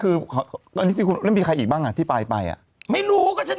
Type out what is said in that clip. คือตอนนี้มีใครอีกบ้างอ่ะที่ไปไปอ่ะไม่รู้ก็ฉัน